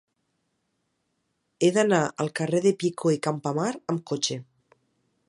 He d'anar al carrer de Picó i Campamar amb cotxe.